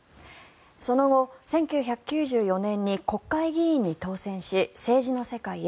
その後１９９４年に国会議員に当選し政治の世界へ。